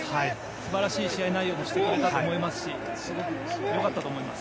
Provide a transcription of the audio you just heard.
素晴らしい試合内容だったと思いますしすごく良かったと思います。